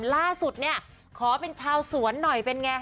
ล่าสุดเนี่ยขอเป็นชาวสวนหน่อยเป็นไง